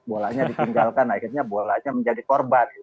bolanya ditinggalkan akhirnya bolanya menjadi korban